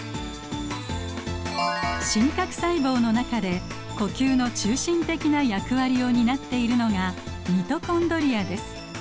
真核細胞の中で呼吸の中心的な役割を担っているのがミトコンドリアです。